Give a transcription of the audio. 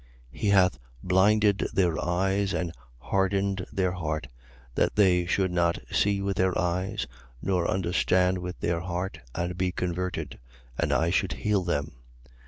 He hath blinded their eyes and hardened their heart, that they should not see with their eyes, nor understand with their heart and be converted: and I should heal them.